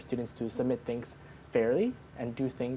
untuk para pelajar mengirimkan hal hal dengan baik